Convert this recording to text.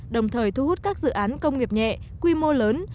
đồng thời thu hút các dự án công nghiệp nhẹ quy mô lớn